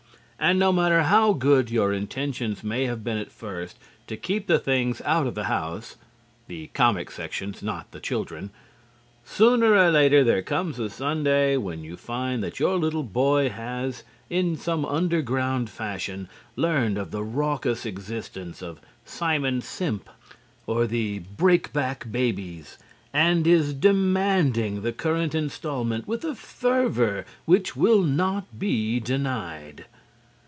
And no matter how good your intentions may have been at first to keep the things out of the house (the comic sections, not the children) sooner or later there comes a Sunday when you find that your little boy has, in some underground fashion, learned of the raucous existence of Simon Simp or the Breakback Babies, and is demanding the current installment with a fervor which will not be denied.